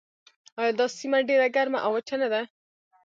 آیا دا سیمه ډیره ګرمه او وچه نه ده؟